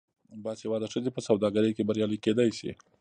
باسواده ښځې په سوداګرۍ کې بریالۍ کیدی شي.